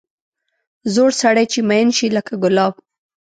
زوړ سړی چې مېن شي لکه ګلاب.